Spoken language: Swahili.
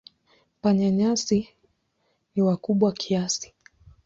Panya-nyasi ni wakubwa kiasi.